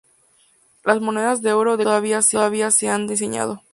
Las monedas de euro de Croacia todavía no se han diseñado.